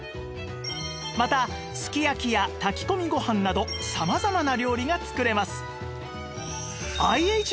またすき焼きや炊き込みご飯など様々な料理が作れます